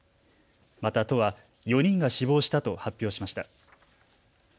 また都は４人が死亡したと発表しました。